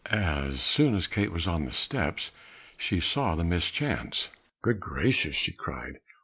As soon as Kate was on the steps she saw the mischance. "Good gracious!" she cried.